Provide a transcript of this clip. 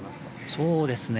そうですね。